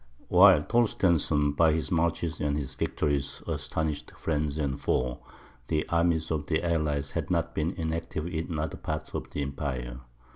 While Torstensohn, by his marches and his victories, astonished friend and foe, the armies of the allies had not been inactive in other parts of the empire.